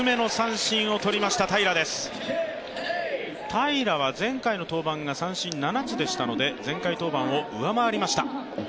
平良は前回の登板が三振７つでしたので、前回登板を上回りました。